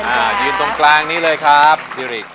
อ่ายืนตรงกลางนี้เลยครับซิริ